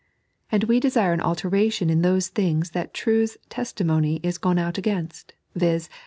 And we desire an alteration in those things that Truth's testimony is gone out against, viz.